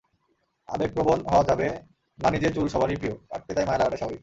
আবেগপ্রবণ হওয়া যাবে নানিজের চুল সবারই প্রিয়, কাটতে তাই মায়া লাগাটাই স্বাভাবিক।